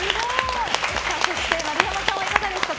丸山さんはいかがですか？